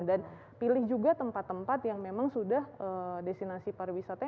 dan pilih juga tempat tempat yang memang sudah destinasi pariwisata